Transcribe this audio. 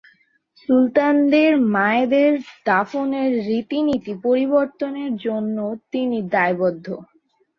সুলতানদের মায়েদের দাফনের রীতিনীতি পরিবর্তনের জন্যও তিনি দায়বদ্ধ।